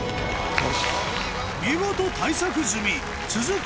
見事対策済み続く